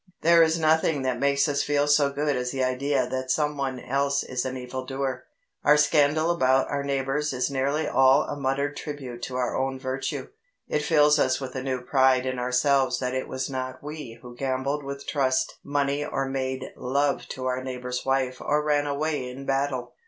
There is nothing that makes us feel so good as the idea that some one else is an evildoer. Our scandal about our neighbours is nearly all a muttered tribute to our own virtue. It fills us with a new pride in ourselves that it was not we who gambled with trust money or made love to our neighbour's wife or ran away in battle.